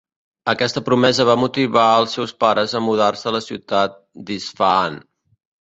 Aquesta promesa va motivar al seus pares a mudar-se a la ciutat d'Isfahan.